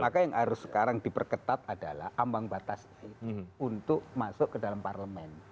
maka yang harus sekarang diperketat adalah ambang batasnya untuk masuk ke dalam parlemen